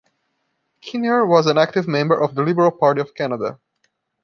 Kinnear was an active member of the Liberal Party of Canada.